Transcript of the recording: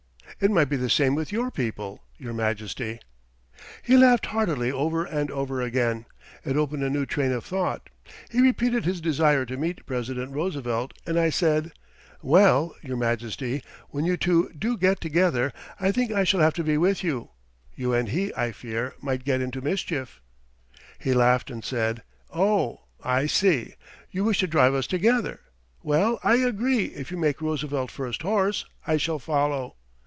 It might be the same with your people, Your Majesty." He laughed heartily over and over again. It opened a new train of thought. He repeated his desire to meet President Roosevelt, and I said: "Well, Your Majesty, when you two do get together, I think I shall have to be with you. You and he, I fear, might get into mischief." He laughed and said: "Oh, I see! You wish to drive us together. Well, I agree if you make Roosevelt first horse, I shall follow."